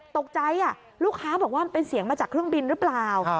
ตกใจลูกค้าบอกว่ามันเป็นเสียงมาจากเครื่องบินหรือเปล่า